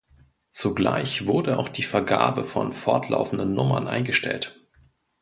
Zugleich wurde auch die Vergabe von fortlaufenden Nummern eingestellt.